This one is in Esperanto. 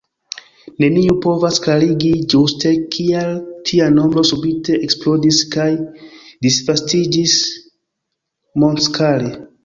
Neniu povas klarigi ĝuste kial tia nombro subite eksplodis kaj disvastiĝis mondskale.